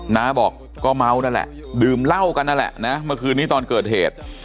น้าบอกก็เมานั่นแหละดื่มเหล้ากันนั่นแหละนะเมื่อคืนนี้ตอนเกิดเหตุ